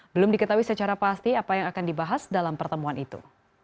belum diketahui secara pasti apa yang akan dibahas dalam pertemuan itu